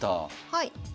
はい。